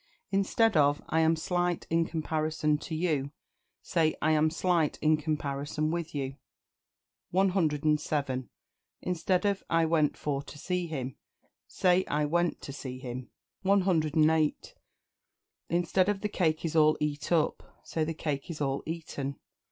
Instead of "I am slight in comparison to you," say "I am slight in comparison with you." 107. Instead of "I went for to see him," say "I went to see him." 108. Instead of "The cake is all eat up," say "The cake is all eaten."